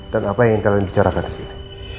dan apa yang kalian bicarakan di sini